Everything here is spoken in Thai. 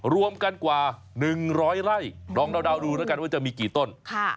รวมกันกว่า๑๐๐ไร่ลองเดาดูแล้วกันว่าจะมีกี่ต้น